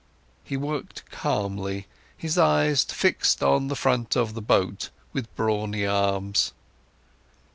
He worked calmly, his eyes fixed in on the front of the boat, with brawny arms.